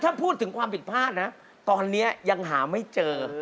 ถ้าพูดถึงความผิดพลาดนะตอนนี้ยังหาไม่เจอ